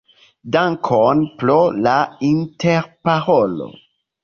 Dankon pro la interparolo.